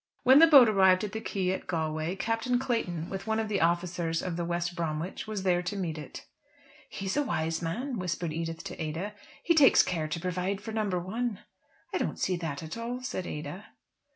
When the boat arrived at the quay at Galway, Captain Clayton, with one of the officers of the West Bromwich, was there to meet it. "He is a wise man," whispered Edith to Ada, "he takes care to provide for number one." "I don't see that at all," said Ada.